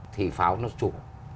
thì pháo nó chủ